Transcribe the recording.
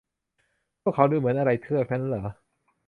พวกเขาดูเหมือนอะไรเทือกนั้นหรอ ?